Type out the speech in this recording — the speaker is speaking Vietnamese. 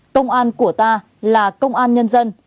công an của ta là công an nhân dân